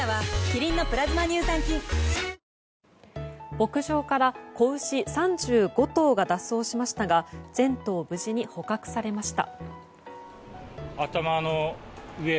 牧場から子牛３５頭が脱走しましたが全頭、無事に捕獲されました。